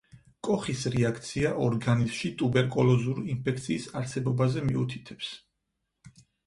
კოხის რეაქცია ორგანიზმში ტუბერკულოზური ინფექციის არსებობაზე მიუთითებს.